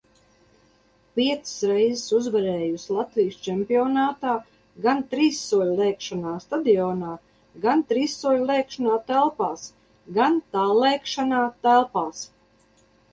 Piecas reizes uzvarējusi Latvijas čempionātā gan trīssoļlēkšanā stadionā, gan trīssoļlēkšanā telpās, gan tāllēkšanā telpās.